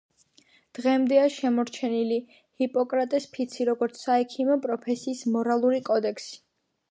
დღემდეა შემორჩენილი „ჰიპოკრატეს ფიცი“, როგორც საექიმო პროფესიის მორალური კოდექსი.